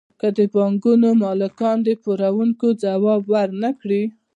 که د بانکونو مالکان د پور ورکوونکو ځواب ورنکړي